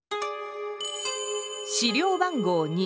資料番号２。